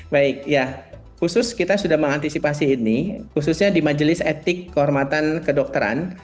baik ya khusus kita sudah mengantisipasi ini khususnya di majelis etik kehormatan kedokteran